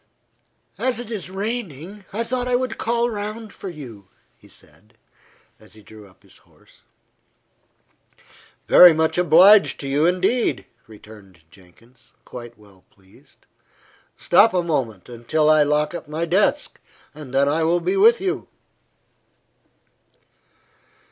"As it is raining, I thought I would call round for you," he said, as he drew up his horse. "Very much obliged to you, indeed," returned Jenkins, quite well pleased. "Stop a moment, until I lock up my desk, and then I will be with you."